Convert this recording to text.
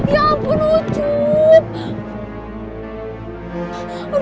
ya ampun u cukup